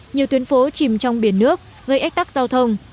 nhiều tuyến phố chìm trong biển nước gây ách tắc giao thông